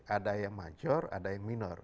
ada yang major ada yang minor